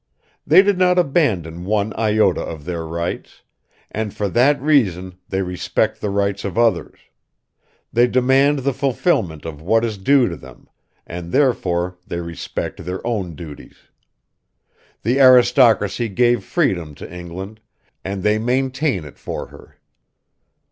They did not abandon one iota of their rights, and for that reason they respect the rights of others; they demand the fulfillment of what is due to them, and therefore they respect their own duties. The aristocracy gave freedom to England, and they maintain it for her."